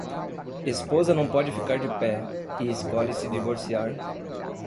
Esposa não pode ficar de pé e escolhe se divorciar